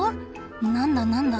何だ何だ？